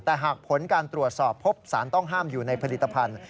แต่หากผลการตรวจสอบพบสารต้องห้ามอยู่ในผลิตภัณฑ์